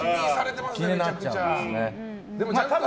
気になっちゃうんですね。